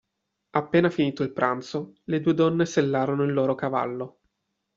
Appena finito il pranzo le due donne sellarono il loro cavallo.